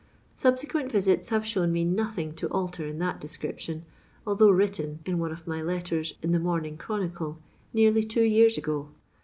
Sub sequent Tisits have shown me nothing to alter in that description, although written (in one of my letters in the Morning Chronicle), nearly two years ago.